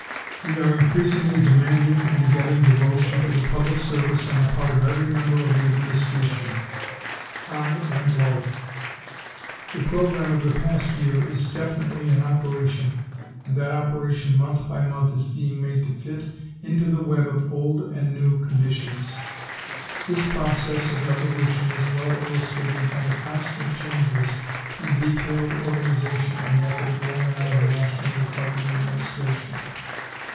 We are increasingly demanding and getting devotion to the public service on the part of every member of the administration, high and low. The program of the past year is definitely in operation and that operation month by month is being made to fit into the web of old and new conditions. This process of evolution is well illustrated by the constant changes in detailed organization and method going on in the National Recovery Administration.